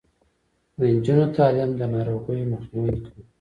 د نجونو تعلیم د ناروغیو مخنیوی کوي.